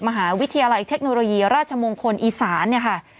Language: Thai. มหาวิทยาลัยเทคโนโลยีราชมงคลอีสานเนี่ยค่ะ